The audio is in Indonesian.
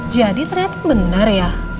jadi ternyata benar ya